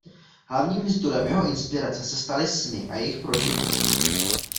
Hlavním zdrojem jeho inspirace se staly sny a jejich prožitky.